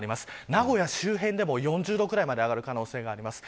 名古屋周辺でも４０度くらいまで上がる可能性があります。